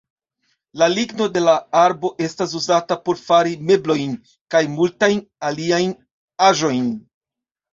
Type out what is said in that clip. La ligno de la arbo estas uzata por fari meblojn, kaj multajn aliajn aĵojn.